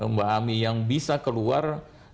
mbak ami yang bisa keluar